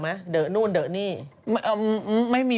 ใครอ่ะนี่เค้าเป็นใคระ